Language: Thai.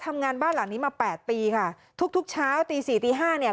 ทำงานบ้านหลังนี้มาแปดปีค่ะทุกทุกเช้าตีสี่ตีห้าเนี่ย